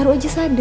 apa apa bustya itu